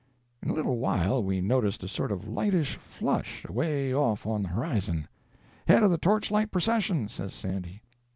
In a little while we noticed a sort of a lightish flush, away off on the horizon. "Head of the torchlight procession," says Sandy.